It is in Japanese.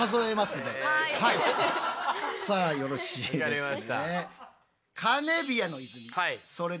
さあよろしいですね？